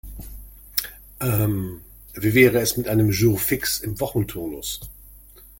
Ähm, wie wäre es mit einem Jour fixe im Wochenturnus?